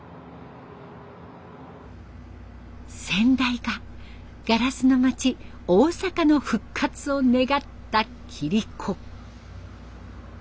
先代がガラスの町大阪の復活を願った切子。